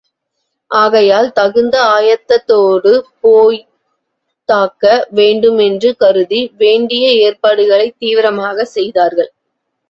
ஆகையால், தகுந்த ஆயத்தத்தோடு போய்த் தாக்க வேண்டும் என்று கருதி, வேண்டிய ஏற்பாடுகளைத் தீவிரமாகச் செய்தார்கள்.